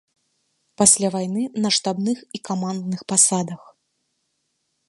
Пасля вайны на штабных і камандных пасадах.